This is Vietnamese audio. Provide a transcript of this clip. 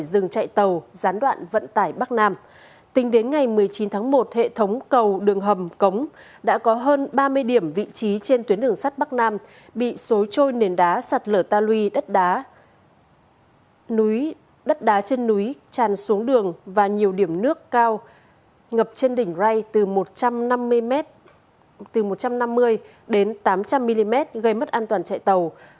xin chào và hẹn gặp lại các bạn trong những video tiếp theo